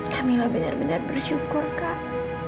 camillah benar benar bersyukur kak